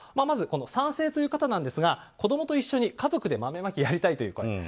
まず賛成という方ですが子供と一緒に家族で豆まきをやりたいという声。